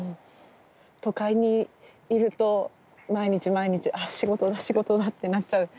都会にいると毎日毎日仕事だ仕事だってなっちゃうけど。